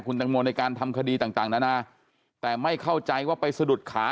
ตังโมในการทำคดีต่างต่างนานาแต่ไม่เข้าใจว่าไปสะดุดขา